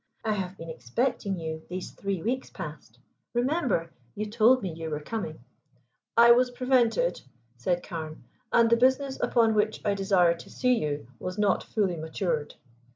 "I have been expecting you these three weeks past. Remember, you told me you were coming." "I was prevented," said Carne. "And the business upon which I desired to see you was not fully matured."